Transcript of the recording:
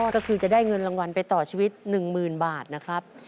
ก็คือจะได้เงินรางวัลไปต่อชีวิต๑๐๐๐บาทนะครับ